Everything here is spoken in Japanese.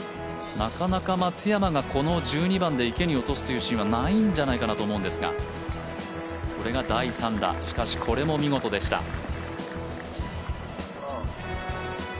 なかなか、松山がこの１２番で池に落とすというシーンはないんじゃないかと思うんですがこれが第３打しかしこれも見事でした。